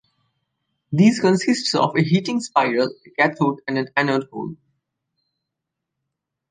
This consists of a heating spiral, a cathode and an anode hole.